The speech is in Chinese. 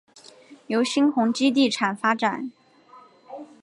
由新鸿基地产发展。